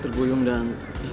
terima kasih bo